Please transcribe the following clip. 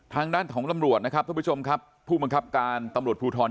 ทางด้านของตำรวจนะครับท่านผู้ชมครับผู้บังคับการตำรวจภูทร